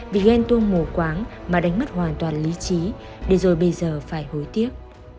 vì ghen tuông mù quáng mà đánh mất hoàn toàn lý trí để rồi bây giờ phải hối tiếc